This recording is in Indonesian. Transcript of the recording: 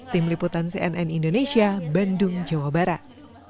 tim liputan cnn indonesia bandung jawa barat